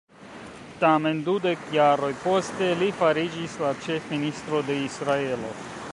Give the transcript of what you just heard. Tamen, dudek jaroj poste li fariĝis la ĉef-ministro de Israelo.